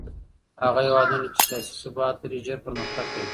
هغه هېوادونه چي سياسي ثبات لري ژر پرمختګ کوي.